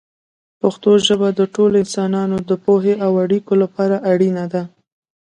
پښتو ژبه د ټولو انسانانو د پوهې او اړیکو لپاره اړینه ده.